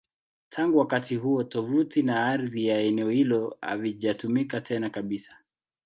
Tangu wakati huo, tovuti na ardhi ya eneo hilo havijatumika tena kabisa.